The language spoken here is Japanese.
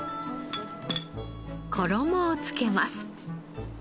衣を付けます。